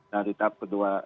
nah di tahap kedua